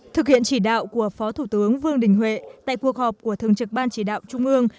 thực hiện chỉ đạo của phó thủ tướng vương đình huệ tại cuộc họp của thường trực ban chỉ đạo trung ương